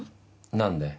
何で？